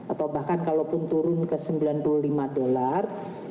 atau bahkan kalaupun turun ke sembilan puluh lima dolar